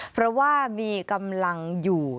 เพราะว่ามีกำลังอยู่